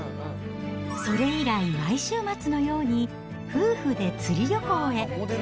それ以来、毎週末のように夫婦で釣り旅行へ。